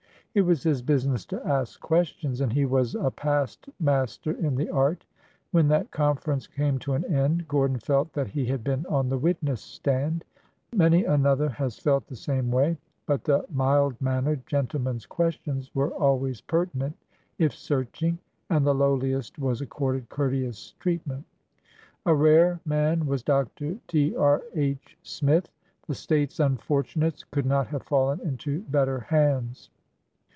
It was his business to ask questions, and he was a past master in the art. When that conference came to an end, Gordon felt that he had been on the witness stand. Many another has felt the same way. But the mild mannered gentleman's questions were always pertinent, if searching, and the lowliest was accorded courteous treatment. A rare man was Dr. T. R. H. Smith. The State's unfortunates could not have fallen into better hands.